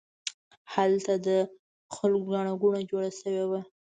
هلته د خلکو ګڼه ګوڼه جوړه شوې وه.